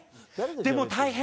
でも大変！